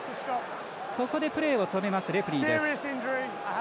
ここでプレーを止めますレフリーです。